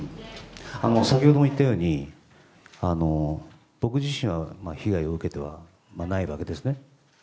先ほども言ったように僕自身は被害を受けてはないわけですね。